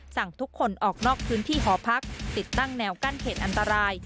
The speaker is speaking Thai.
สั่งทุกคนออกนอกพื้นที่หอพักติดตั้งแนวกั้นเขตอันตราย